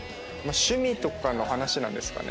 趣味とかの話なんですかね。